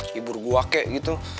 hibur gua kek gitu